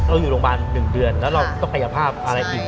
อยู่โรงพยาบาล๑เดือนแล้วเราต้องกายภาพอะไรอีก